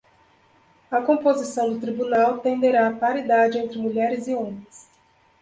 A composição do tribunal tenderá à paridade entre mulheres e homens.